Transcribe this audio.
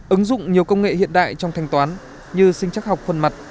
ứng dụng nhiều công nghệ hiện đại trong thanh toán như sinh chắc học phần mặt